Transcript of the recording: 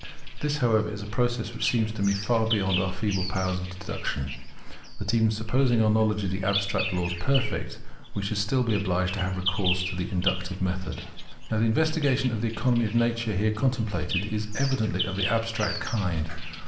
This, however, is a process which seems to me so far beyond our feeble powers of deduction, that, even supposing our knowledge of the abstract laws perfect, we should still be obliged to have recourse to the inductive method. Now the investigation of the economy of nature here contemplated is evidently of the abstract kind.